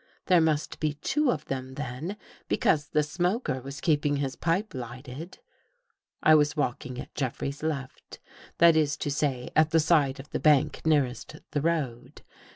There must be two of them then, because the smoker was keeping his pipe j lighted. I was walking at Jeffrey's left. That is to say, f, at the side of the bank nearest the road.